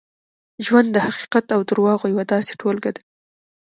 ژوند د حقیقت او درواغو یوه داسې ټولګه ده.